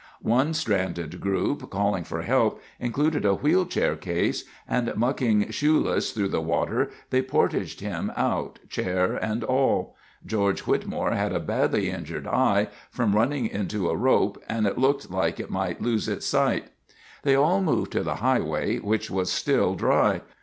One stranded group, calling for help, included a wheelchair case, and, mucking shoeless through the water, they portaged him out, chair and all. George Whitmore had a badly injured eye—from running into a rope, and it looked like he might lose its sight. They all moved to the highway, which was still dry.